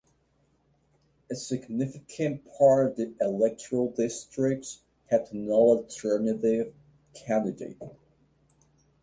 A significant part of the electoral districts had no alternative candidate.